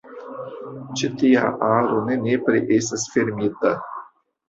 Ĉi tia aro ne nepre estas fermita.